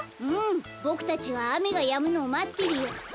うんボクたちはあめがやむのをまってるよ。